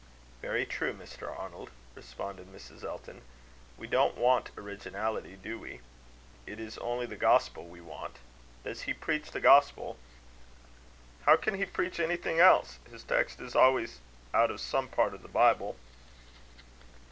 "Very true, Mr. Arnold," responded Mrs. Elton. "We don't want originality, do we? It is only the gospel we want. Does he preach the gospel?" "How can he preach anything else? His text is always out of some part of the Bible."